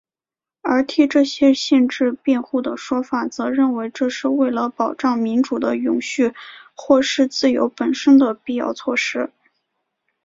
而替这些限制辩护的说法则认为这是为了保障民主的永续或是自由本身的必要措施。